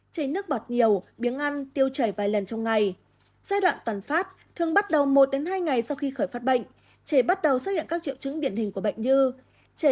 chảy nước bọt nhiều biến ăn tiêu chảy vài lần trong ngày giai đoạn toàn phát thường bắt đầu một đến hai ngày sau khi khởi phát bệnh trẻ bắt đầu xuất hiện các triệu chứng điển hình của bệnh như